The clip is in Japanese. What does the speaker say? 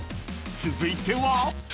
［続いては］